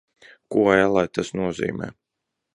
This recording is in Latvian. Ko, ellē, tas nozīmē?